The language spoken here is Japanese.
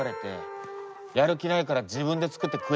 やる気ないから自分で作って食えって。